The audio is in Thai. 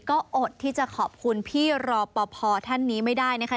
ก็อดที่จะขอบคุณพี่รอปภท่านนี้ไม่ได้นะคะ